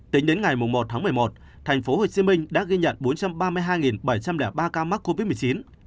tính đến ngày một tháng một mươi một tp hcm đã ghi nhận bốn trăm ba mươi hai bảy trăm linh ba ca mắc covid một mươi chín